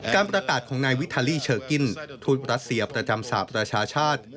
การประตาทในวิทาลีชะกิลทุทธ์รัฐเสียประจำสาปราชชาติ